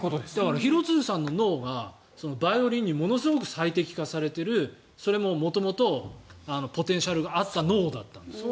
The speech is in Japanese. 廣津留さんの脳がバイオリンにものすごく最適されているそれも元々ポテンシャルがあった脳だったんですよ。